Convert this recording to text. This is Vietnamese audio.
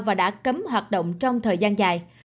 và đã cấm hoạt động trong thời gian dài